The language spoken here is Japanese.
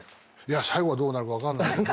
最後はどうなるか分かんないけど。